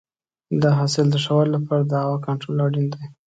د حاصل د ښه والي لپاره د هوا کنټرول اړین دی.